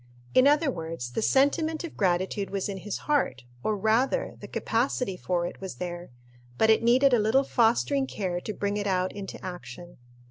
In other words, the sentiment of gratitude was in his heart, or, rather, the capacity for it was there, but it needed a little fostering care to bring it out into action.